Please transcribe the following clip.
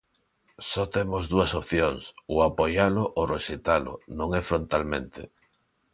Só temos dúas opcións: ou apoialo ou rexeitalo, non é frontalmente.